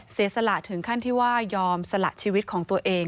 เสียสละถึงขั้นที่ว่ายอมสละชีวิตของตัวเอง